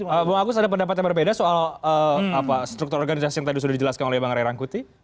oke bang agus ada pendapat yang berbeda soal struktur organisasi yang tadi sudah dijelaskan oleh bang ray rangkuti